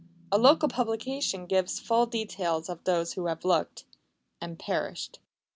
A local publication gives full details of those who have looked and perished.